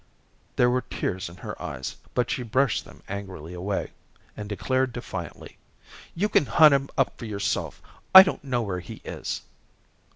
There were tears in her eyes, but she brushed them angrily away, and declared defiantly: "You can hunt him up for yourself. I don't know where he is."